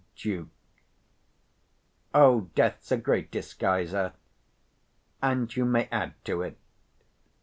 165 Duke. O, death's a great disguiser; and you may add to it.